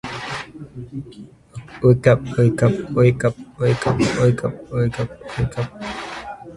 This is the first Anthrax release to feature Joey Belladonna on vocals.